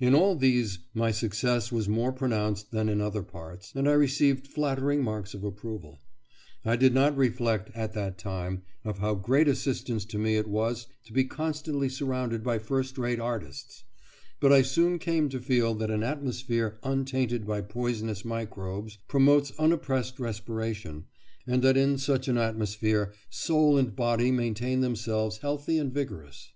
In all these my success was more pronounced than in other parts, and I received flattering marks of approval. I did not reflect, at that time, of how great assistance to me it was to be constantly surrounded by first rate artists; but I soon came to feel that an atmosphere untainted by poisonous microbes promotes unoppressed respiration, and that in such an atmosphere soul and body maintain themselves healthy and vigorous.